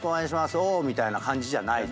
おおみたいな感じじゃない。